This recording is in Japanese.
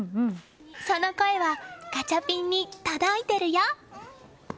その声はガチャピンに届いてるよ！